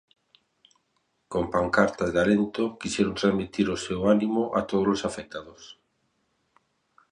Con pancartas de alento, quixeron transmitir o seu ánimo a tódolos afectados.